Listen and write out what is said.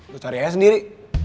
lo cari aja sendiri